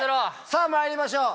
さあ、まいりましょう。